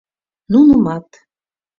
Нунымат...